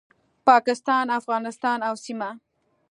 پاکستان، افغانستان او سیمه